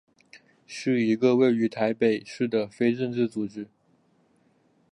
是一个位于台北市的非政府组织。